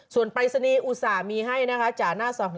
ส่วนปริศนีอุตส่าห์มีให้นะคะจากหน้าส่อง